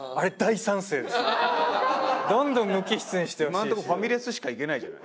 今のとこファミレスしか行けないじゃない。